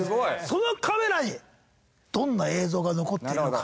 ・そのカメラにどんな映像が残っているのか？